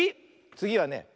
つぎはね